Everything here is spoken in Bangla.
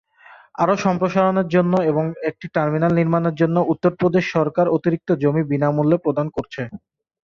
আরও সম্প্রসারণের জন্য এবং একটি টার্মিনাল নির্মাণের জন্য উত্তরপ্রদেশ সরকার অতিরিক্ত জমি বিনামূল্যে প্রদান করছে।